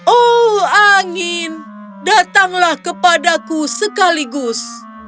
oh angin datanglah kepadaku sekaligus